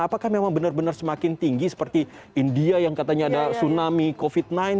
apakah memang benar benar semakin tinggi seperti india yang katanya ada tsunami covid sembilan belas